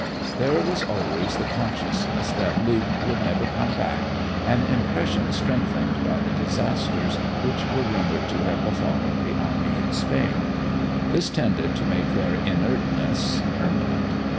There was always the consciousness that Luke would never come back, an impression strengthened by the disasters which were rumoured to have befallen the army in Spain. This tended to make their inertness permanent.